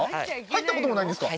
入ったこともないんですか？